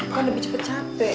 kan lebih cepat capek